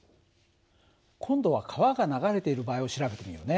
今度は川が流れている場合を調べてみようね。